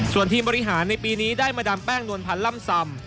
ส่วนทีมบริหารในปีนี้ได้มาดามแป้งนวลพันธ์ล่ำซำ